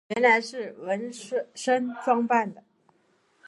原来是文森装扮的。